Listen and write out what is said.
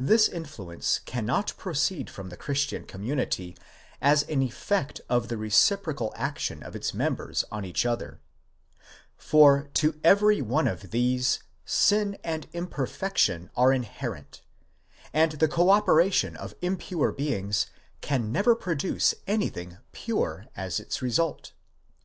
This influence cannot proceed from the Christian community as an effect of the reciprocal action of its members on each other ; for to every one of these sin and imperfection are inherent, and the co operation of impure beings can never produce anything pure as itsresult.